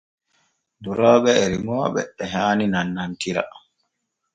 Durooɓe e remooɓe e haani nannantira.